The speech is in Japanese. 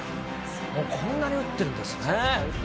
もうこんなに打ってるんですね。